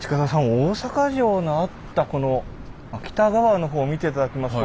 大坂城のあったこの北側の方見て頂きますと。